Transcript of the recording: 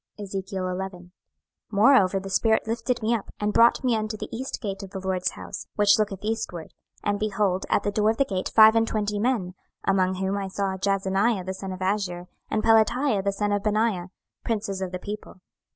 26:011:001 Moreover the spirit lifted me up, and brought me unto the east gate of the LORD's house, which looketh eastward: and behold at the door of the gate five and twenty men; among whom I saw Jaazaniah the son of Azur, and Pelatiah the son of Benaiah, princes of the people.